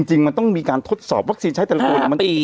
จริงมันต้องมีการทดสอบวัคซีนใช้แต่ละคน